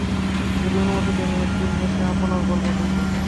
যদি অনুমতি দেন একদিন এসে আপনার গল্প শুনব।